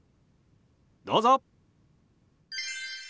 どうぞ！